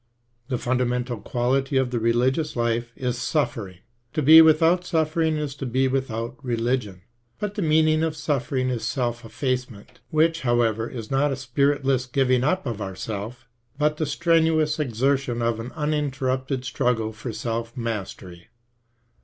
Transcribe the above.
The fundamental quality of the religious life is suffering. To be without suffering is to be with out religion. But the meaning of suffering is self effacement, which, however, is not a spiritless giving up of ourself, but the strenuous exertion of an uninterrupted struggle for self mastery.